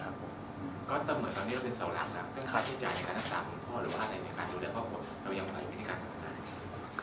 ก็แต่เหมือนตอนนี้เราเป็นเสาหลังแล้วเป็นความที่ใจในการตามคุณพ่อหรือว่าอะไรในการดูแลครอบครัวเรายังไหวไม่ได้กัน